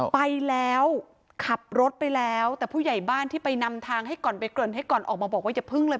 ไปแล้วขับรถไปแล้วแต่ผู้ใหญ่บ้านที่ไปนำทางให้ก่อนไปเกริ่นให้ก่อนออกมาบอกว่าอย่าพึ่งเลย